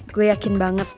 gue yakin banget